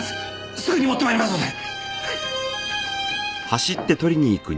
すぐに持って参りますので！